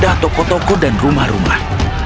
mereka menangkap semua toko toko dan rumah rumah